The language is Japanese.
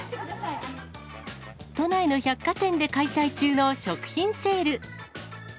都内の百貨店で開催中の食品セール。